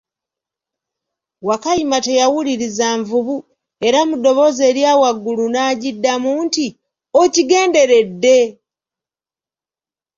Wakayima teyawuliriza nvubu, era mu ddoboozi erya waggulu naagiddamu nti, okigenderedde!